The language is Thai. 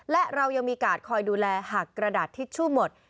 และเรายังมีกาดคอยดูแลหักกระดาษทิชชู่หมด